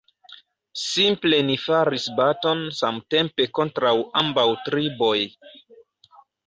Simple ni faris baton samtempe kontraŭ ambaŭ triboj.